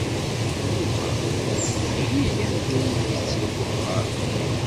Yuba qlil anda i isett deg uxxam.